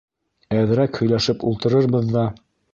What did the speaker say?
Әҙерәк һөйләшеп ултырырбыҙ ҙа...